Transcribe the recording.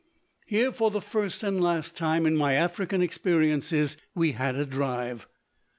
Here, for the first and last time in my African experiences, we had a drive.